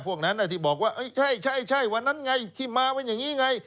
พวกนั้นที่บอกว่าใช่วันนั้นไงที่มามันอย่างนี้ไง